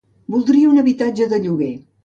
Voldria un habitatge de lloguer.